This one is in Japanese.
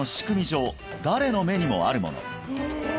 上誰の目にもあるもの